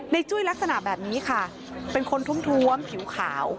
จุ้ยลักษณะแบบนี้ค่ะเป็นคนทุ่มผิวขาว